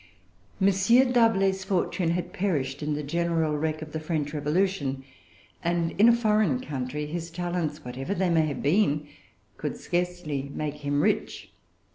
M. D'Arblay's fortune had perished in the general wreck of the French Revolution; and in a foreign country his talents, whatever they may have been, could scarcely make him rich.